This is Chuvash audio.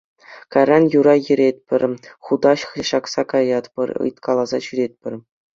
Кайран юра еретпӗр, хутаҫ ҫакса каятпӑр, ыйткаласа ҫӳретпӗр.